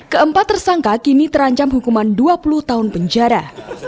keempat tersangka kini terancam hukuman dua puluh tahun penjara